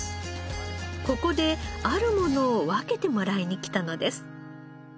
ここであるものを分けてもらいに来たのです。